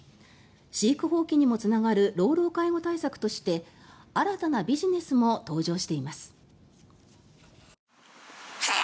飼育放棄にもつながる老老介護対策として新たなビジネスも登場しています。